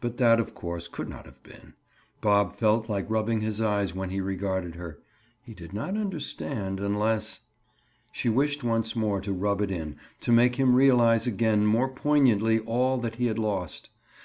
But that, of course, could not have been. Bob felt like rubbing his eyes when he regarded her. He did not understand unless— She wished once more to "rub it in," to make him realize again more poignantly all that he had lost.